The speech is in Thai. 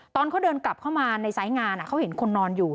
ตอนเขาเดินกลับเข้ามาในสายงานเขาเห็นคนนอนอยู่